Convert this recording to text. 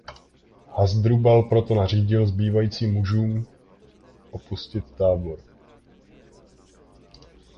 Hasdrubal proto nařídil zbývajícím mužům opustit tábor.